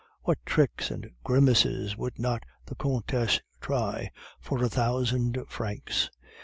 What tricks and grimaces would not the Countess try for a thousand francs!